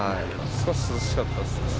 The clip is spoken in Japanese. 少し涼しかったです。